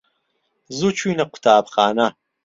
زوو چووینە قوتابخانە.